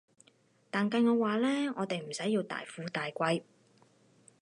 但計我話呢，我哋唔使要大富大貴